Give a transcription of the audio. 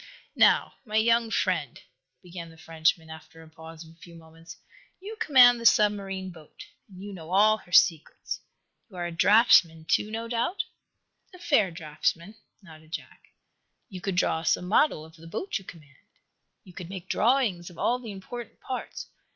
"Now, my young friend," began the Frenchman, after a pause of a few moments, "you command the submarine boat, and you know all her secrets. You are a draughtsman, to, no doubt?" "A fair draughtsman," nodded Jack. "You could draw us a model of the boat you command. You could make drawings of all the important parts.